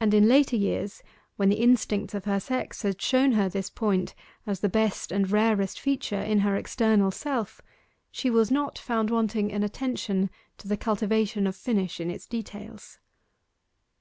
And in later years, when the instincts of her sex had shown her this point as the best and rarest feature in her external self, she was not found wanting in attention to the cultivation of finish in its details.